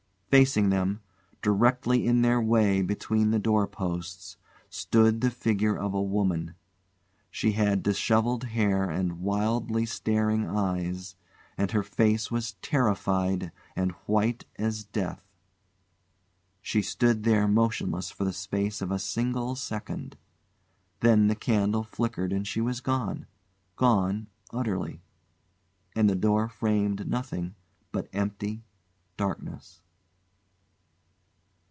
Facing them, directly in their way between the doorposts, stood the figure of a woman. She had dishevelled hair and wildly staring eyes, and her face was terrified and white as death. She stood there motionless for the space of a single second. Then the candle flickered and she was gone gone utterly and the door framed nothing but empty darkness.